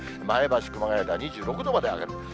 前橋、熊谷では２６度まで上がる。